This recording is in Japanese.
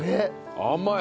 甘い！